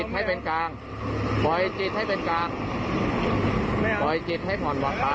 ไม่งั้นจะให้หมดภารกิจในโลกนี้แล้วนะ